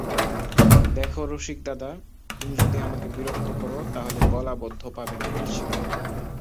দেখো রসিকদাদা, তুমি যদি আমাকে বিরক্ত কর তা হলে গলাবদ্ধ পাবে না বলছি।